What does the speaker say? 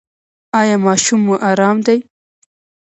ایا ماشوم مو ارام دی؟